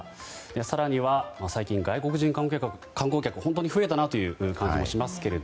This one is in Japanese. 更には、最近、外国人観光客が本当に増えたなという感じもしますが。